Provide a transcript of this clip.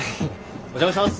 お邪魔します！